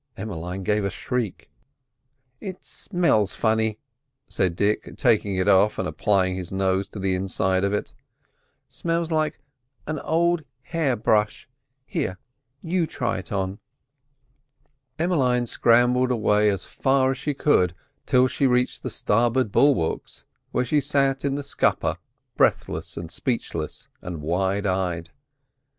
Emmeline gave a shriek. "It smells funny," said Dick, taking it off and applying his nose to the inside of it—"smells like an old hair brush. Here, you try it on." Emmeline scrambled away as far as she could, till she reached the starboard bulwarks, where she sat in the scupper, breathless and speechless and wide eyed.